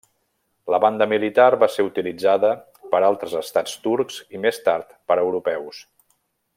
La banda militar va ser utilitzada per altres estats turcs i més tard per europeus.